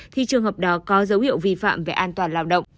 thì trường hợp đó có dấu hiệu vi phạm về an toàn lao động